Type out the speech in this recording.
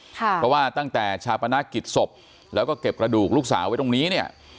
เพราะว่าตั้งแต่ชาปนกิจศพแล้วก็เก็บกระดูกลูกสาวไว้ตรงนี้เนี่ย